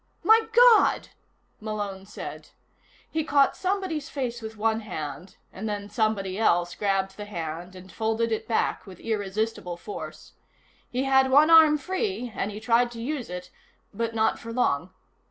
"My God!" Malone said. He caught somebody's face with one hand and then somebody else grabbed the hand and folded it back with irresistible force. He had one arm free, and he tried to use it but not for long.